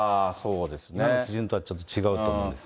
今の基準とはちょっと違うと思うんですね。